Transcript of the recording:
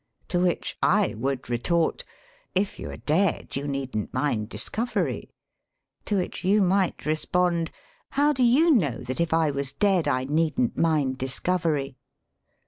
To which I would retort : "If you are dead you needn't mind discovery.'* To which you might respond : "How do you knowt that if I was dead I needn't mind discovery?"